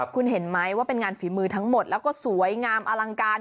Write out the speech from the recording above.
คุณเห็นไหมว่าเป็นงานฝีมือทั้งหมดแล้วก็สวยงามอลังการ